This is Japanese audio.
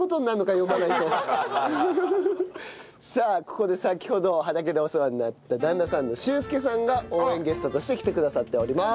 さあここで先ほど畑でお世話になった旦那さんの駿介さんが応援ゲストとして来てくださっております。